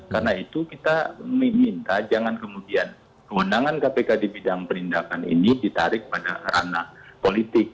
karena itu kita minta jangan kemudian kewenangan kpk di bidang perlindakan ini ditarik pada ranah politik